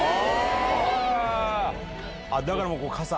だから、傘。